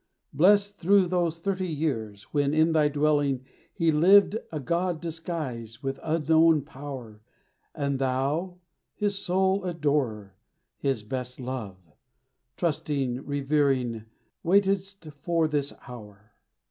Blessed through those thirty years, when in thy dwelling He lived a God disguised, with unknown power, And thou, his sole adorer, his best love, Trusting, revering, waitedst for his hour.